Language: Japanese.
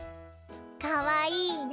かわいいね。